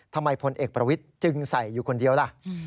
พลเอกประวิทย์จึงใส่อยู่คนเดียวล่ะ